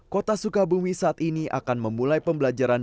kota sukabumi saat ini akan memulai pembelajaran